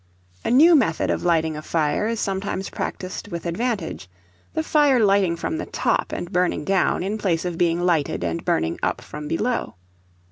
A new method of lighting a fire is sometimes practised with advantage, the fire lighting from the top and burning down, in place of being lighted and burning up from below.